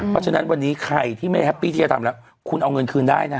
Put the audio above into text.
เพราะฉะนั้นวันนี้ใครที่ไม่ทำแล้วคุณเอาเงินคืนได้นะครับ